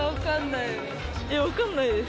いやわかんないです。